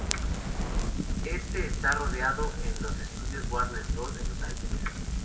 Este está rodado en los estudios Warner Bros en Los Angeles.